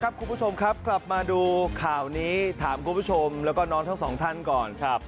คุณผู้ชมครับกลับมาดูข่าวนี้ถามคุณผู้ชมแล้วก็น้องทั้งสองท่านก่อนครับ